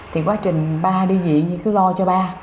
thì quá trình ba đi diện thì cứ lo cho ba